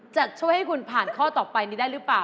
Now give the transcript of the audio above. จะช่วยให้คุณผ่านข้อต่อไปนี้ได้หรือเปล่า